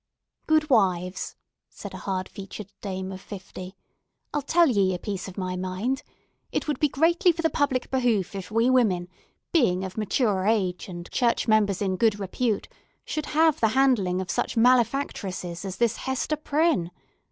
"Goodwives," said a hard featured dame of fifty, "I'll tell ye a piece of my mind. It would be greatly for the public behoof if we women, being of mature age and church members in good repute, should have the handling of such malefactresses as this Hester Prynne.